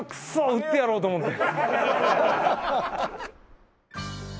打ってやろうと思って。